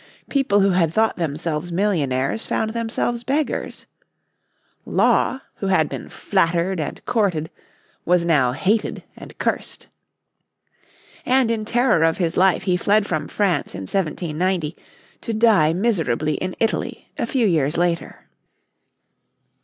People who had thought themselves millionaires found themselves beggars. Law, who had been flattered and courted, was now hated and cursed. And in terror of his life he fled from France in 1790 to die miserably in Italy a few years later.